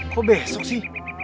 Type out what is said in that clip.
kok besok sih